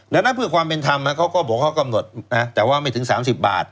และนักภูมิความเป็นธรรมเขาก็บอกว่ากำหนดแต่ว่าไม่ถึง๓๐บาท